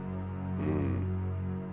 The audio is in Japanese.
うん。